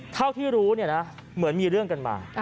เท่าที่รู้เนี่ยนะเหมือนมีเรื่องกันมา